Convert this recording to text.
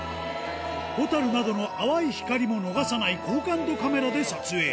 ホタルなどの淡い光も逃さない高感度カメラで撮影。